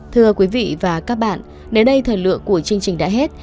thưa quý vị và các bạn đến đây thời lượng của chương trình đã hết